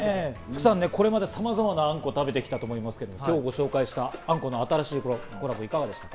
福さん、これまでさまざまなあんこを食べてきたと思いますけれども、今日ご紹介したあんこの新しいコラボ、いかがでした？